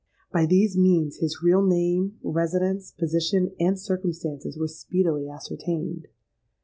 By these means, his real name, residence, position, and circumstances, were speedily ascertained.